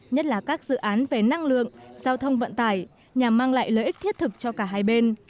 nhất là các dự án về năng lượng giao thông vận tải nhằm mang lại lợi ích thiết thực cho cả hai bên